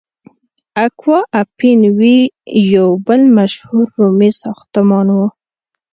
اکوا اپین وی یو بل مشهور رومي ساختمان و.